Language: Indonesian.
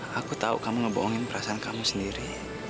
aku tahu kamu ngebohongin perasaan kamu sendiri